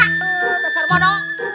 eh dasar mana